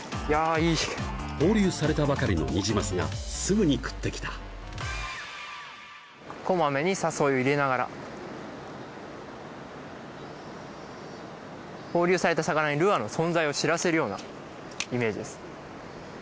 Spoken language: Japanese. いいヒキ放流されたばかりのニジマスがすぐに食ってきたこまめに誘いを入れながら放流された魚にルアーの存在を知らせるようなイメージです